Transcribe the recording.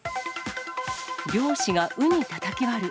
漁師がウニたたき割る。